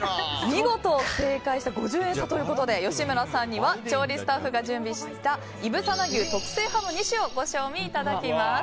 見事正解した５０円差ということで吉村さんには調理スタッフが準備したいぶさな牛特製２種をお召し上がりいただきます。